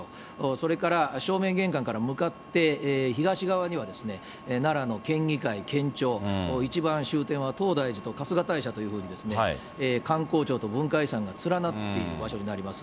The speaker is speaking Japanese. それから正面玄関から向かって東側には、奈良の県議会、県庁、一番終点は東大寺と春日大社というふうに、観光庁と文化遺産が連なっている場所になります。